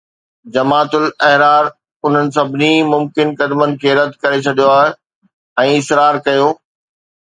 جماعت الاحرار انهن سڀني ممڪن قدمن کي رد ڪري ڇڏيو ۽ اصرار ڪيو